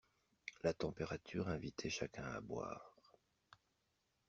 La température invitait chacun à boire.